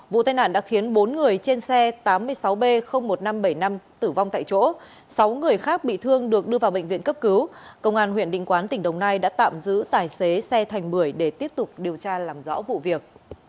vụ tai nạn đã khiến bốn người trên xe tám mươi sáu b một nghìn năm trăm bảy mươi năm tử vong tại chỗ sáu người khác bị thương được đưa vào bệnh viện cấp cứu công an huyện định quán tỉnh đồng nai đã tạm giữ tài xế xe thành bưởi để tiếp tục điều tra làm rõ vụ việc